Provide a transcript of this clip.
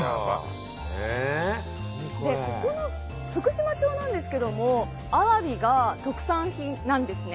ここの福島町なんですけどもアワビが特産品なんですね。